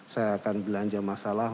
saya akan belanja masalah